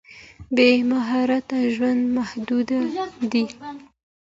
بې مهارت ژوند محدود دی.